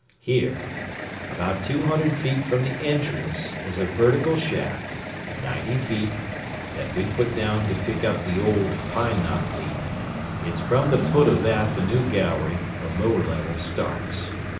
"Here, about 200 feet from the entrance, is a vertical shaft, 90 feet, that we put down to pick up the old Pine Knot lead. It's from the foot of that the new gallery, the lower level, starts.